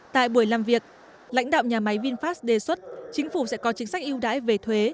tại buổi làm việc lãnh đạo nhà máy vinfast đề xuất chính phủ sẽ có chính sách yêu đãi về thuế